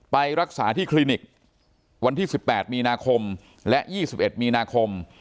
ไปรักษาที่คลินิกวันที่สิบแปดมีนาคมและยี่สิบเอ็ดมีนาคม